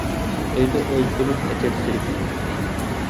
ئۆيدە ئولتۇرۇپ ئەجەب زېرىكتىم.